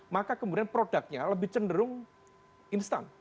maka kemudian produknya lebih cenderung instan